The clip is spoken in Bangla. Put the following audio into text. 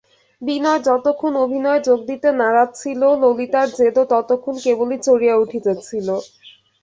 বিনয় যতক্ষণ অভিনয়ে যোগ দিতে নারাজ ছিল ললিতার জেদও ততক্ষণ কেবলই চড়িয়া উঠিতেছিল।